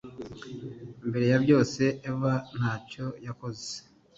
Mbere ya byose Eva ntacyo yakoze